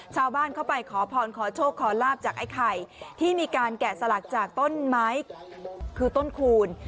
ชาวบ้านเข้าไปขอพรขอโชคขอลาบจากไอ้ไข่ที่มีการแกะสลักจากต้นไม้คือต้นคูณ